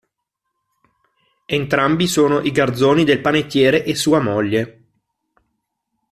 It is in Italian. Entrambi sono i garzoni del panettiere e sua moglie.